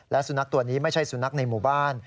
และสุนัขตัวนี้ไม่ใช่สุนัขในหมู่บ้าน